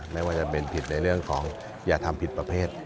ไม่ว่าจะเป็นผิดในเรื่องของอย่าทำผิดประเภท